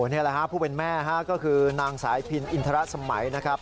นี่แหละฮะผู้เป็นแม่ก็คือนางสายพินอินทรสมัยนะครับ